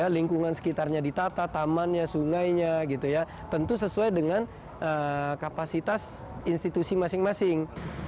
lingkungan sekitarnya ditata tamannya sungainya gitu ya tentu sesuai dengan kapasitas institusi masing masing